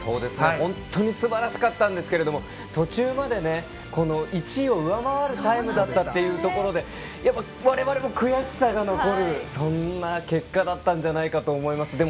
本当にすばらしかったんですけども途中まで、１位を上回るタイムだったというところでやっぱり我々も悔しさが残るそんな結果だったんじゃないかと思います。